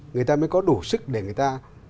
người ta mới có đủ sức để người ta